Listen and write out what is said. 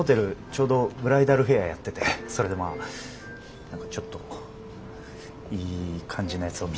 ちょうどブライダルフェアやっててそれでまあ何かちょっといい感じのやつを見つけたから。